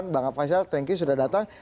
bang faisal terima kasih sudah datang